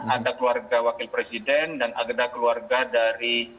ada keluarga wakil presiden dan ada keluarga dari